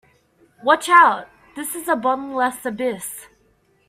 Watch out, this is a bottomless abyss!